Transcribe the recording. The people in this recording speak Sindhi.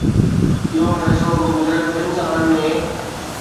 اهو فيصلو به گذريل ٻن سالن ۾